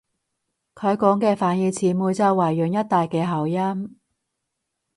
佢講嘅反而似梅州惠陽一帶嘅口音